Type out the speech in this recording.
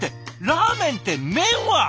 ラーメンって麺は！？